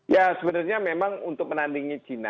ya sebenarnya memang untuk penandingnya china